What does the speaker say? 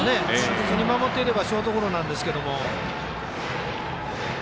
普通に守っていればショートゴロなんですけど。